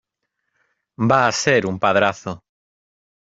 va a ser un padrazo.